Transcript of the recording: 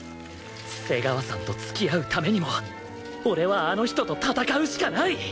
瀬川さんと付き合うためにも俺はあの人と戦うしかない！